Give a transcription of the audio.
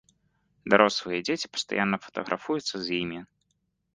Дарослыя і дзеці пастаянна фатаграфуюцца з імі.